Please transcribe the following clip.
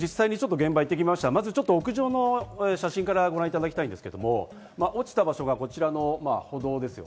まず屋上の写真からご覧いただきたいんですが、落ちた場所がこちらの歩道です。